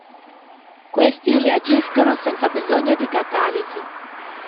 Questi reagiscono senza bisogno di catalisi.